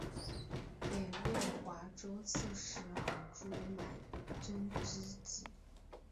北魏华州刺史尔朱买珍之子。